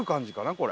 これ。